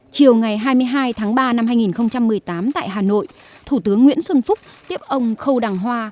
chiều ngày hai mươi hai tháng ba năm hai nghìn một mươi tám tại hà nội thủ tướng nguyễn xuân phúc tiếp ông khâu đàng hoa